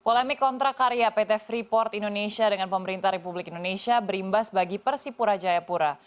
polemik kontrak karya pt freeport indonesia dengan pemerintah republik indonesia berimbas bagi persipura jayapura